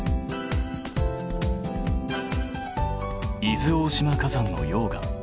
伊豆大島火山の溶岩。